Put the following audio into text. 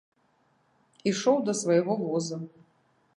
Ішоў да свайго воза.